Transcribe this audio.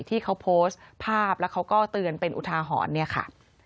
ที่เขาโพสต์ภาพแล้วเขาก็เตือนเป็นอุทาหรณ์เนี่ยค่ะ